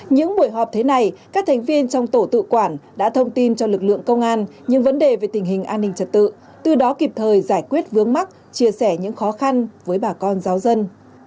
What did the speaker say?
những buổi họp thế này các thành viên trong tổ tự quản đã thông tin cho lực lượng công an những vấn đề về tình hình an ninh trật tự từ đó kịp thời giải quyết vướng mắt chia sẻ những khó khăn với bà con giáo dân